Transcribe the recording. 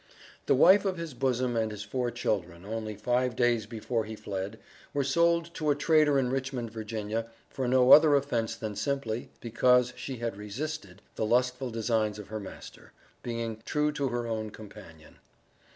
The wife of his bosom and his four children, only five days before he fled, were sold to a trader in Richmond, Va., for no other offence than simply "because she had resisted" the lustful designs of her master, being "true to her own companion."